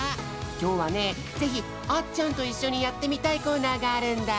きょうはねぜひあっちゃんといっしょにやってみたいコーナーがあるんだ。